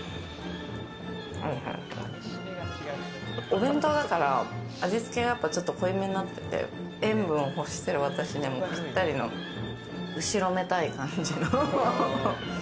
お弁当だから、味つけ、やっぱ濃いめになってて、塩分を欲してる私にはぴったりの後ろめたい感じの。